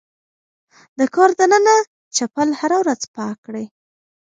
د کور دننه چپل هره ورځ پاک کړئ.